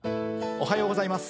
おはようございます。